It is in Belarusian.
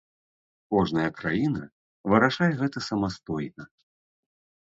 Кожная краіна вырашае гэта самастойна.